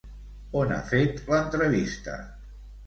On ha fet l'entrevista?